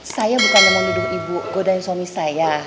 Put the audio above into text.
saya bukan mau niduh ibu godain suami saya